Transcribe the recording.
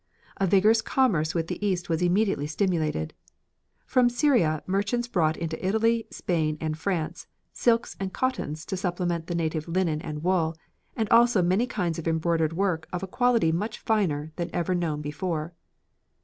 A vigorous commerce with the east was immediately stimulated. From Syria merchants brought into Italy, Spain, and France silks and cottons to supplement the native linen and wool, and also many kinds of embroidered work of a quality much finer than ever known before.